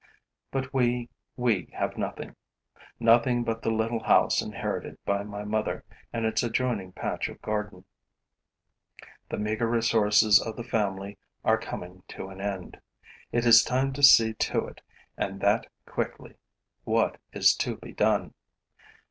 But we, we have nothing, nothing but the little house inherited by my mother and its adjoining patch of garden. The meager resources of the family are coming to an end. It is time to see to it and that quickly. What is to be done?